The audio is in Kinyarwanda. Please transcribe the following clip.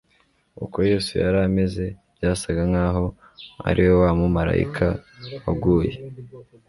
Uko Yesu yari ameze byasaga nkaho ari we wa mumarayika waguye,